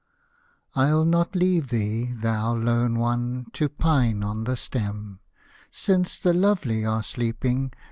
I'll not leave thee, thou lone one ! To pine on the stem ; Since the lovely are sleeping.